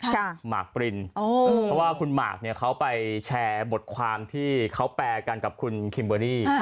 ค่ะมาร์กปริลโอ้ว่าคุณมาร์กเนี้ยเขาไปแชร์บทความที่เขาแปลกันกับคุณคิมเบอรี่